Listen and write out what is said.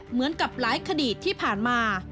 เหมือนกับหลายคดีที่ผ่านมา